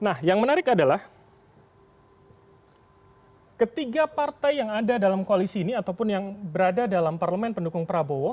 nah yang menarik adalah ketiga partai yang ada dalam koalisi ini ataupun yang berada dalam parlemen pendukung prabowo